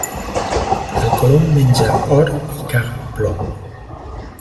El colom menja or i caga plom.